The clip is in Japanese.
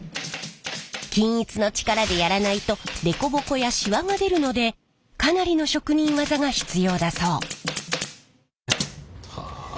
均一の力でやらないとデコボコやシワが出るのでかなりの職人技が必要だそう。